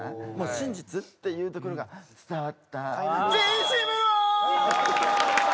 真実っていうところが伝わった。